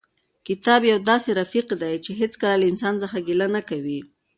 کتاب یو داسې رفیق دی چې هېڅکله له انسان څخه ګیله نه کوي.